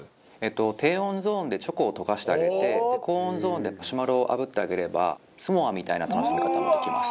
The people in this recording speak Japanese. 低温ゾーンでチョコを溶かしてあげて高温ゾーンでマシュマロをあぶってあげればスモアみたいな楽しみ方もできます。